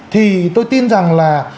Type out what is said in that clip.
thì tôi tin rằng là